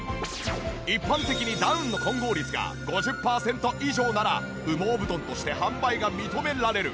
一般的にダウンの混合率が５０パーセント以上なら羽毛布団として販売が認められる。